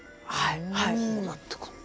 こうなってくるんだ。